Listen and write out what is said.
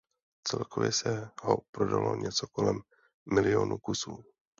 Celkově se ho prodalo něco kolem milionu kusů.